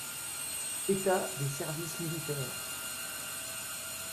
État des services militaires.